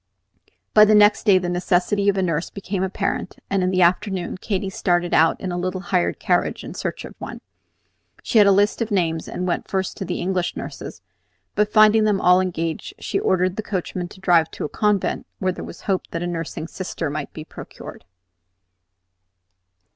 By the next day the necessity of a nurse became apparent, and in the afternoon Katy started out in a little hired carriage in search of one. She had a list of names, and went first to the English nurses; but finding them all engaged, she ordered the coachman to drive to a convent where there was hope that a nursing sister might be procured.